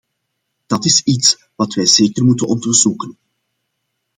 Dat is iets wat wij zeker moeten onderzoeken.